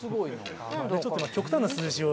ちょっと極端な数字を。